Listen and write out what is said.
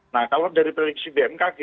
nah kalau dari prediksi bmkg